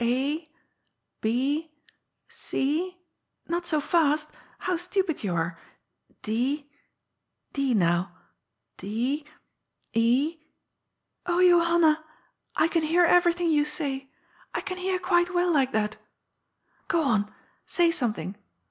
A, B, 0. Not so fast. How stupid you are ! D. D now ; D, E. Oh, Johanna ! I can hear eyerything you say. I can hear qaite well like that Oo on ; say something.